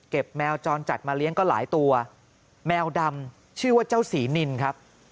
แมวจรจัดมาเลี้ยงก็หลายตัวแมวดำชื่อว่าเจ้าศรีนินครับ